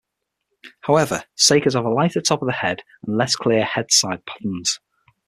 However, sakers have a lighter top of the head and less clear head-side patterns.